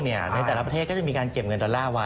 ในแต่ละประเทศก็จะมีการเก็บเงินดอลลาร์ไว้